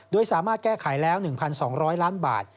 โดยสามารถแก้ไขแล้ว๑๒๐๐ล้านบาท